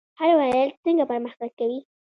هر ولایت څنګه پرمختګ کوي؟